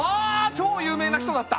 ちょう有名な人だった。